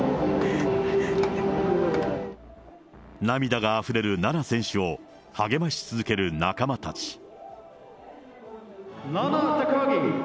涙があふれる菜那選手を励まし続ける仲間たち。